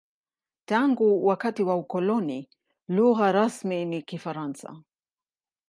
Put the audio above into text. Tangu wakati wa ukoloni, lugha rasmi ni Kifaransa.